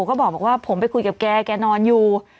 ก็บอกว่าผมไปคุยกับแกแกนอนอยู่